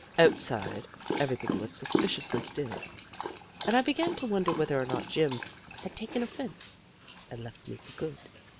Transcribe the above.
Outside, everything was suspiciously still, and I began to wonder whether or not Jim had taken offence and left me for good.